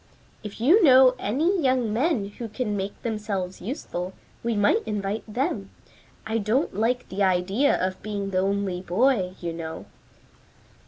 "If you know any young men who can make themselves useful, we might invite them. I don't like the idea of being the only boy, you know."